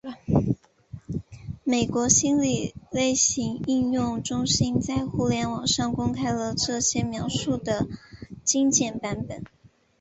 美国心理类型应用中心在互联网上公开了这些描述的精简版本。